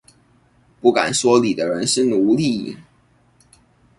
不敢說理的人是奴隸